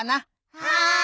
はい！